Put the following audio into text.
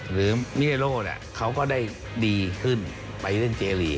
หรือมิเนโรจะดีขึ้นไปเล่นเจลี